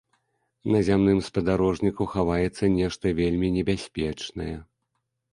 На зямным спадарожніку хаваецца нешта вельмі небяспечнае.